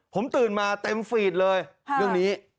ผมตื่นมาเต็มฟีดเลยเรื่องนี้